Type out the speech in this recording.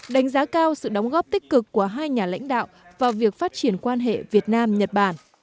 đánh giá cao sự đóng góp tích cực của hai nhà lãnh đạo vào việc phát triển quan hệ việt nam nhật bản